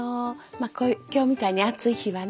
今日みたいに暑い日はね